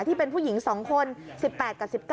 ที่เป็นผู้หญิง๒คน๑๘กับ๑๙